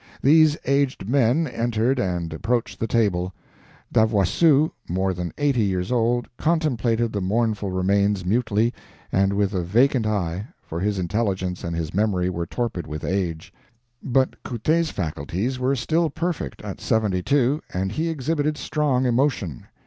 These aged men entered and approached the table. Davouassoux, more than eighty years old, contemplated the mournful remains mutely and with a vacant eye, for his intelligence and his memory were torpid with age; but Couttet's faculties were still perfect at seventy two, and he exhibited strong emotion.